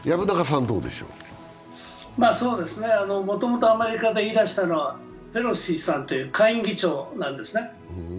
もともとアメリカで言い出したのは、ペロシさんという下院議長なんですね。